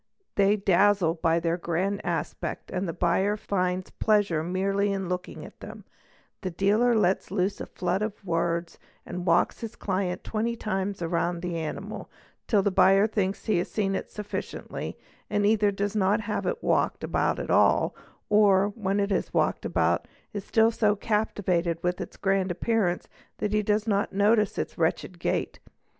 They dazzle by their grand aspect and the buyer finds pleasure merely in _ looking at them; the dealer lets loose a flood of words and walks his client twenty times round the animal, till the buyer thinks he has seen it sufficiently and either does not have it walked about at all or, when it is walked about, is still so captivated with its grand appearance that he does not notice its wretched gait.